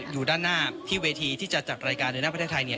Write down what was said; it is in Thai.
อยู่ด้านหน้าที่เวทีที่จะจัดรายการในหน้าประเทศไทยเนี่ย